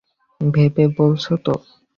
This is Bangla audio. ভেবে বলছ তো?